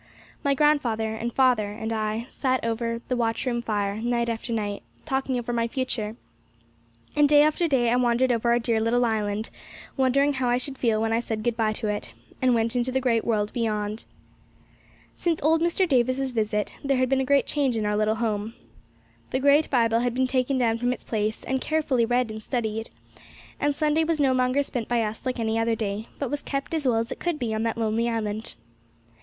My grandfather, and father, and I sat over the watchroom fire, night after night, talking over my future; and day after day I wandered over our dear little island, wondering how I should feel when I said good bye to it, and went into the great world beyond. Since old Mr. Davis's visit, there had been a great change in our little home. The great Bible had been taken down from its place and carefully read and studied, and Sunday was no longer spent by us like any other day, but was kept as well as it could be on that lonely island.